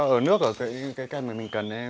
ở nước ở cái cây mà mình cần